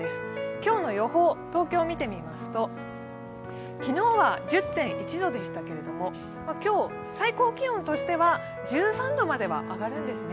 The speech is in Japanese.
今日の予報、東京を見てみますと、昨日は１０．１度でしけれども今日、最高気温としては１３度までは上がるんですね。